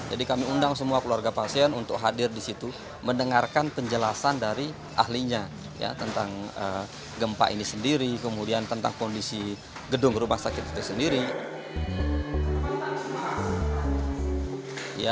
jadi kami undang semua keluarga pasien untuk hadir di situ mendengarkan penjelasan dari ahlinya tentang gempa ini sendiri kemudian tentang kondisi gedung rumah sakit itu sendiri